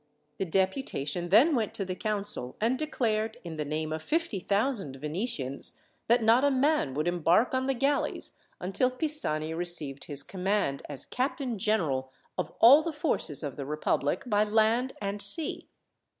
The deputation then went to the council, and declared, in the name of fifty thousand Venetians, that not a man would embark on the galleys until Pisani received his command, as captain general of all the forces of the republic, by land and sea.